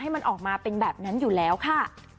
มันออกมาเป็นแบบนั้นอยู่แล้วค่ะ